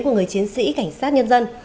của người chiến sĩ cảnh sát nhân dân